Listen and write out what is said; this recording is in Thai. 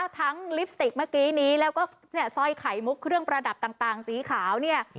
ลิปสติกเมื่อกี้นี้แล้วก็เนี่ยสร้อยไข่มุกเครื่องประดับต่างสีขาวเนี่ย